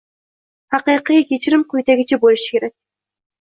Haqiqiy kechirim quyidagicha bo‘lishi kerak.